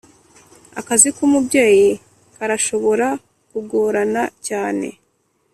akazi k'umubyeyi karashobora kugorana cyane.